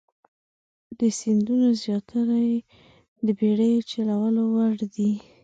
د سیندونو زیاتره یې د بیړیو چلولو وړ دي.